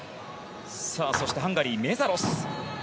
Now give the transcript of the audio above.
そしてハンガリーのメザロス。